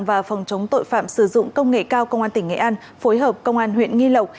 và phòng chống tội phạm sử dụng công nghệ cao công an tỉnh nghệ an phối hợp công an huyện nghi lộc